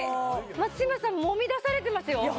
松嶋さんもみ出されてますよいや